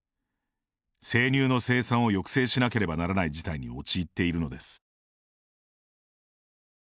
生乳の生産を抑制しなければならない事態に陥っているのです。